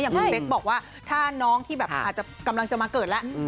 อย่างคุณเบ๊กบอกว่าถ้าน้องที่กำลังจะมาเกิดแล้ว